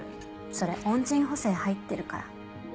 それ恩人補正入ってるから。